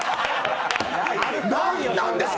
なんなんですか！